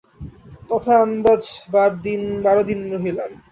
তথায় আন্দাজ বার দিন রহিলাম।